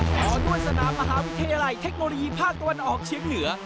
ต่อด้วยสนามมหาวิทยาลัยเทคโนโลยีภาคตะวันออกเชียงเหนือ